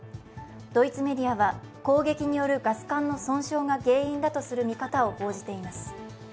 ドイツメディアは、攻撃によるガス管の損傷が原因だとする見方を報じています。